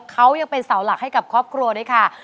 เขายังเป็นเสาหลักให้กับครอบครัวด้วยค่ะ